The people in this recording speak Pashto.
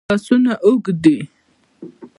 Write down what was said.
لاسونه اوږد دي.